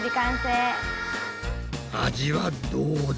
味はどうだ？